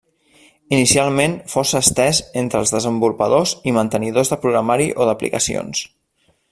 Inicialment força estès entre els desenvolupadors i mantenidors de programari o d'aplicacions.